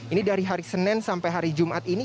ini dari hari senin sampai hari jumat ini